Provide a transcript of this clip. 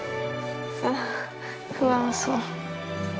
不安そう。